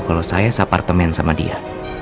kalau saya apartemen sama dia